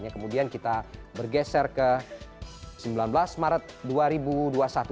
kemudian kita bergeser ke sembilan belas maret dua ribu dua puluh satu